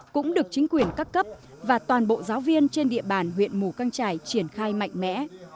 cũng được chính quyền các cấp và toàn bộ giáo viên trên địa bàn huyện mù căng trải triển khai mạnh mẽ